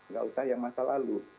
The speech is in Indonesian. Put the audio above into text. nggak usah yang masa lalu